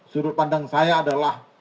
sudut pandang saya adalah